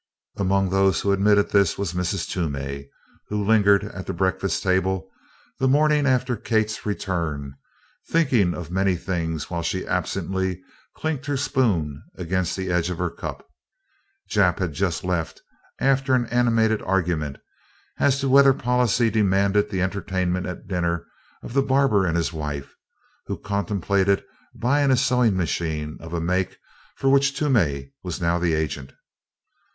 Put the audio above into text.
Among those who admitted this was Mrs. Toomey, who lingered at the breakfast table the morning after Kate's return, thinking of many things while she absently clinked her spoon against the edge of her cup. Jap had just left after an animated argument as to whether policy demanded the entertainment at dinner of the barber and his wife, who contemplated buying a sewing machine of a make for which Toomey was now the agent.